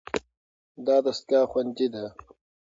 دا دستګاه خوندي ده.